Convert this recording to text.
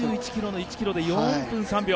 ３１ｋｍの１ｋｍで４分３秒。